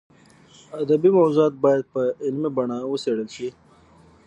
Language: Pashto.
ادبي موضوعات باید په علمي بڼه وڅېړل شي.